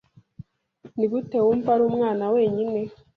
Nigute wumva ari umwana wenyine?